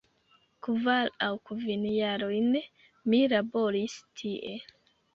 Kvar aŭ kvin jarojn, mi laboris tie.